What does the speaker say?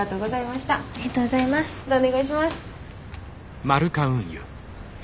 またお願いします。